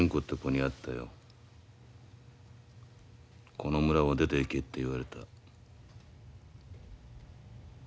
この村を出ていけって言われた。